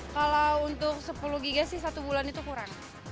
kalau untuk sepuluh g sih satu bulan itu kurang